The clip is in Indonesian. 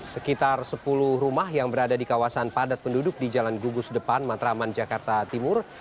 sekitar sepuluh rumah yang berada di kawasan padat penduduk di jalan gugus depan matraman jakarta timur